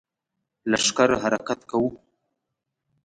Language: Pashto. لښکر حرکت کوو.